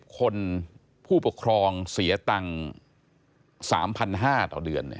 คนผู้ปกครองเสียตังค์๓๕๐๐บาทต่อเดือน